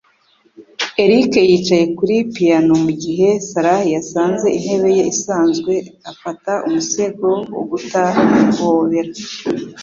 Eric yicaye kuri piyano mugihe Sarah yasanze intebe ye isanzwe, afata umusego wo guta guhobera.